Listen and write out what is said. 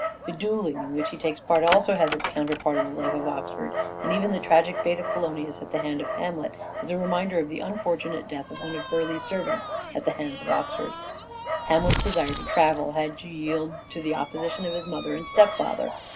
The duelling in which he takes part also has its counterpart in the life of Oxford, and even the tragic fate of Polonius at the hand of Hamlet is a reminder of the unfortunate death of one of Burleigh's servants at the hands of Oxford. Hamlet's desire to travel had to yield to the opposition of his mother and stepfather.